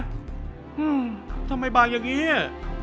หื้มทำไมบางอย่างเงี้ย